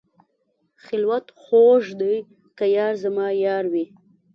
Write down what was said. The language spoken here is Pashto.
خلوت خوږ دی که یار زما یار وي.